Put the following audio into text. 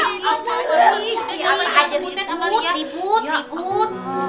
tribut tribut tribut